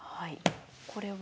これは？